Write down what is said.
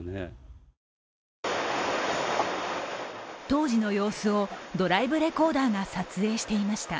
当時の様子をドライブレコーダーが撮影していました。